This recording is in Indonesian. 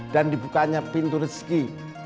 dan dibukanya pintu rezeki